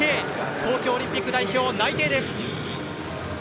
東京オリンピック代表内定です。